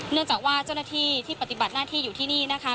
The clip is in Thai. เนื่องจากว่าเจ้าหน้าที่ที่ปฏิบัติหน้าที่อยู่ที่นี่นะคะ